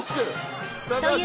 という